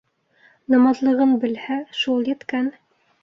Намаҙлығын белһә, шул еткән.